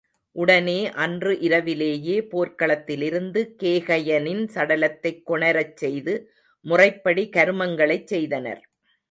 உடனே அன்று இரவிலேயே போர்க்களத்திலிருந்து கேகயனின் சடலத்தைக் கொணரச் செய்துமுறைப்படி கருமங்களைச் செய்தனர்.